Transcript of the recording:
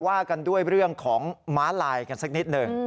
ว่ากันด้วยเรื่องของม้าลายกันสักนิดหนึ่ง